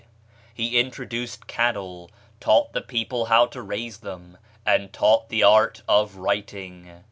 He introduced cattle, taught the people how to raise them, and taught the art of writing."